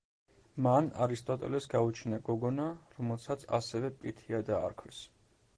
მან არისტოტელეს გაუჩინა გოგონა, რომელსაც ასევე პითია დაარქვეს.